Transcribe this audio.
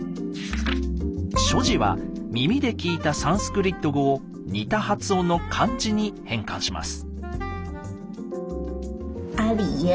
耳で聞いたサンスクリット語を似た発音の漢字に変換します。